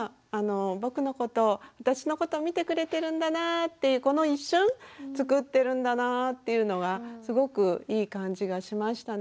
僕のこと私のこと見てくれてるんだなっていうこの一瞬つくってるんだなっていうのがすごくいい感じがしましたね。